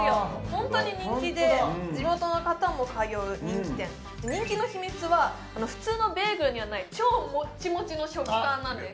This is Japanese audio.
ホントに人気で地元の方も通う人気店人気の秘密は普通のベーグルにはない超モッチモチの食感なんです